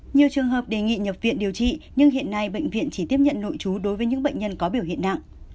nhiều trường hợp đề nghị nhập viện điều trị nhưng hiện nay bệnh viện chỉ tiếp nhận nội chú đối với những bệnh nhân có biểu hiện nặng